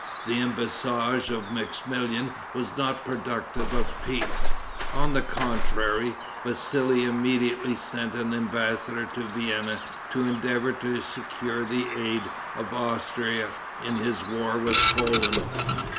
The embassage of Maximilian was not productive of peace. On the contrary, Vassili immediately sent an embassador to Vienna to endeavor to secure the aid of Austria in his war with Poland.